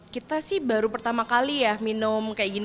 kita sih baru pertama kali ya minum kayak gini